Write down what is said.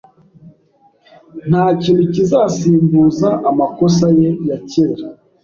Ntakintu kizasimbuza amakosa ye ya kera.